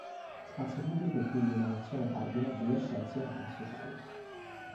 Spazio pubblico è quindi una nozione cardine delle scienze umane e sociali.